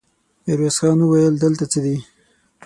ميرويس خان وويل: دلته څه دي؟